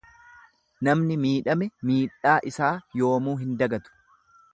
Namni miidhame miidhaa isaa yoomuu hin dagatu.